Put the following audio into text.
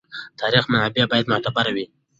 تاریخي منابع باید معتبر وي.